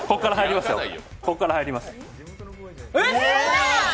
ここから入ります。